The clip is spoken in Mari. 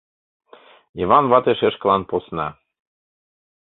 Йыван вате шешкылан посна.